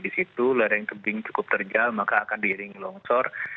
lagi di situ ladang kebing cukup terjal maka akan diiringi longsor